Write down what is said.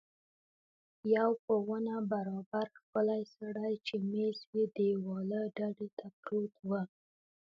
یو په ونه برابر ښکلی سړی چې مېز یې دېواله ډډې ته پروت و.